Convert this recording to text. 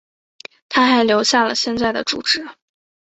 她还留下了现在的住址。